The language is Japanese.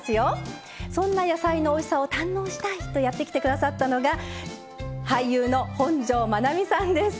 そんな野菜のおいしさを堪能したいとやって来て下さったのが俳優の本上まなみさんです。